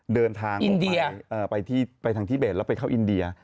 เดินทางไปทางที่เบสแล้วไปเข้าอินเดีย